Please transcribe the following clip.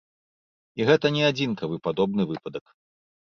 І гэта не адзінкавы падобны выпадак.